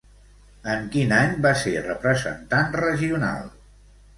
En quin any va ser representant regional?